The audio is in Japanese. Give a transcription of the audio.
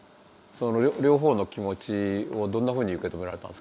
その両方の気持ちをどんなふうに受け止められたんですか？